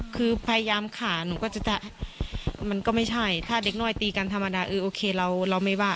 คือพยายามขาหนูก็จะมันก็ไม่ใช่ถ้าเด็กน้อยตีกันธรรมดาเออโอเคเราไม่ว่า